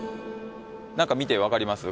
何か見て分かります？